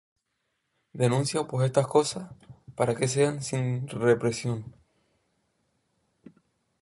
Denuncia pues estas cosas, para que sean sin reprensión.